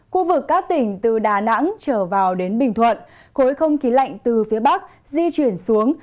khu vực các tỉnh từ đà nẵng trở vào đến bình thuận khối không khí lạnh từ phía bắc di chuyển xuống